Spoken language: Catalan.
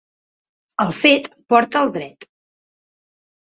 El fet porta el dret.